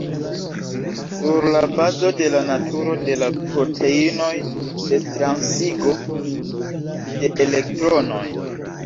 Sur la bazo de la naturo de la proteinoj de transigo de elektronoj.